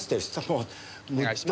お願いします。